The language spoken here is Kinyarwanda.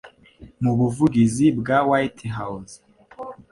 mu buvugizi bwa White House.